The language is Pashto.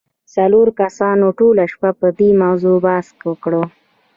څلورو کسانو ټوله شپه پر دې موضوع بحث وکړ